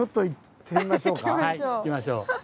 行きましょう。